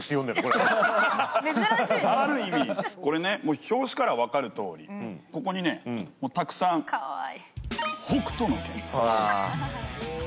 これね、表紙から分かるとおり、ここにたくさん「北斗の拳」。